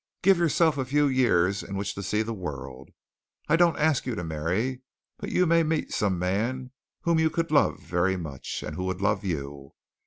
Give yourself a few years in which to see the world. I don't ask you to marry, but you may meet some man whom you could love very much, and who would love you.